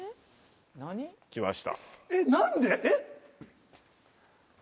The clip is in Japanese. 来ました。